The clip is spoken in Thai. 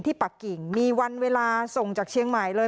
ปักกิ่งมีวันเวลาส่งจากเชียงใหม่เลย